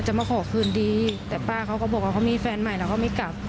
มาขอคืนดีแต่ป้าเขาก็บอกว่าเขามีแฟนใหม่แล้วเขาไม่กลับ